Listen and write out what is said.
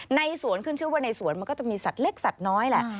ในสวนขึ้นชื่อว่าในสวนมันก็จะมีสัตว์เล็กสัตว์น้อยแหละ